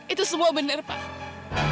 itu semua benar pak